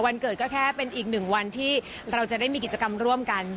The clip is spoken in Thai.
วันเกิดก็แค่เป็นอีกหนึ่งวันที่เราจะได้มีกิจกรรมร่วมกัน